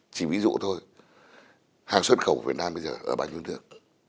chỉ ví dụ thôi hàng xuất khẩu của việt nam bây giờ ở bao nhiêu nước